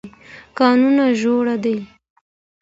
کانونه ژور دي.